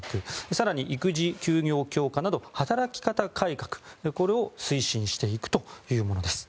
更に育児休業強化など働き方改革を推進していくというものです。